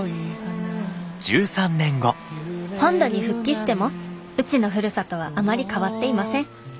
本土に復帰してもうちのふるさとはあまり変わっていません。